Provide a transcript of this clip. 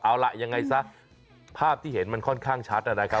เอาล่ะยังไงซะภาพที่เห็นมันค่อนข้างชัดนะครับ